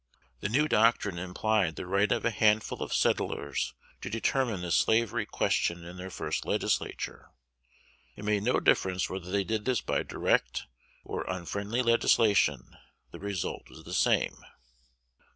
The new doctrine implied the right of a handful of settlers to determine the slavery question in their first Legislature. It made no difference whether they did this by direct or "unfriendly legislation:" the result was the same.